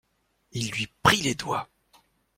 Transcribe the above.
Il lui prit les doigts.